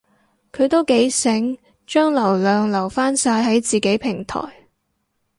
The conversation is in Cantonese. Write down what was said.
佢都幾醒，將流量留返晒喺自己平台